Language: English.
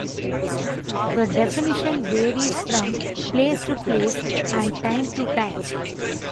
The definition varies from place to place and time to time.